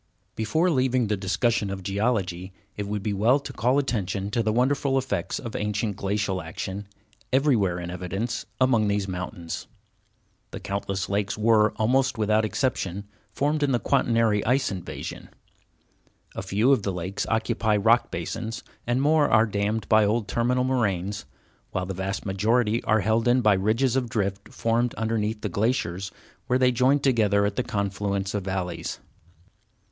Before leaving the discussion of geology, it would be well to call attention to the wonderful effects of ancient glacial action, everywhere in evidence among these mountains. The countless lakes were, almost without exception, formed in the Quaternary ice invasion. A few of the lakes occupy rock basins, and more are dammed by old terminal moraines, while the vast majority are held in by ridges of drift formed underneath the glaciers where they joined together at the confluence of valleys.